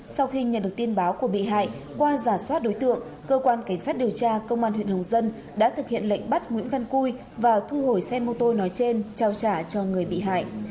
sau khi nhận được tin báo của bị hại qua giả soát đối tượng cơ quan cảnh sát điều tra công an huyện hồng dân đã thực hiện lệnh bắt nguyễn văn cui và thu hồi xe mô tô nói trên trao trả cho người bị hại